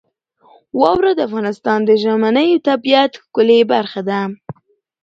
واوره د افغانستان د ژمنۍ طبیعت ښکلې برخه ده.